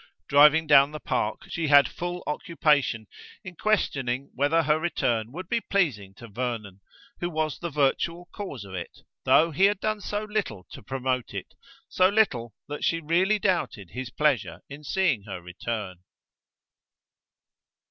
Driving down the park, she had full occupation in questioning whether her return would be pleasing to Vernon, who was the virtual cause of it, though he had done so little to promote it: so little that she really doubted his pleasure in seeing her return.